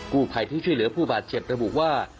กู้ภัยที่ช่วยเหลือผู้บาดเจ็บระบุว่า